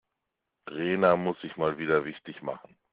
Rena muss sich mal wieder wichtig machen.